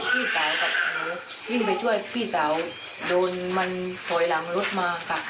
ตอนนั้นพี่แม่แสวแบบนูยื่นไปช่วยพี่สาวโดนมันเผยหลามรถมาค่ะ